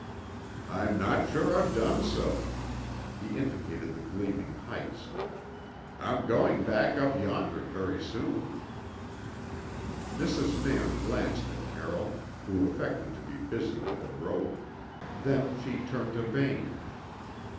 "I'm not sure I've done so." He indicated the gleaming heights. "I'm going back up yonder very soon." Mrs. Nairn glanced at Carroll, who affected to be busy with a rope; then she turned to Vane.